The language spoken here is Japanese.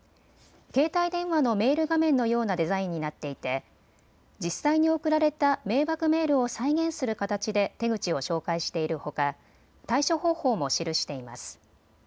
携帯電話のメール画面のようなデザインになっていて実際に送られた迷惑メールを再現する形で手口を紹介しているほか、対処方法も記しています。